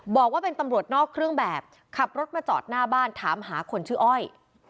บอกว่าเป็นตำรวจนอกเครื่องแบบขับรถมาจอดหน้าบ้านถามหาคนชื่ออ้อย